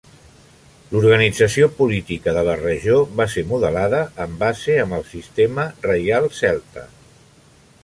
L'organització política de la regió va ser modelada en base amb el sistema reial celta.